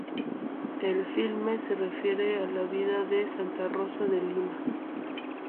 El filme se refiere a la vida de Santa Rosa de Lima.